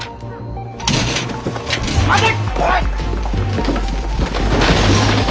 待て！